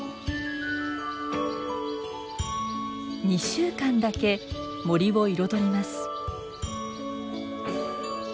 ２週間だけ森を彩ります。